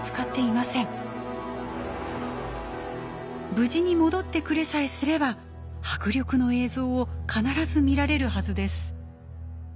無事に戻ってくれさえすれば迫力の映像を必ず見られるはずです。